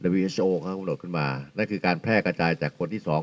วีเอสโอเขากำหนดขึ้นมานั่นคือการแพร่กระจายจากคนที่สอง